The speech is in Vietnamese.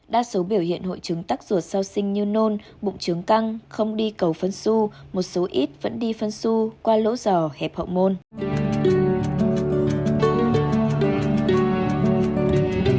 đa số biểu hiện hội chứng tắc ruột sau sinh như nôn bụng trứng căng không đi cầu phân su một số ít vẫn đi phân su qua lỗ giò hẹp hậu môn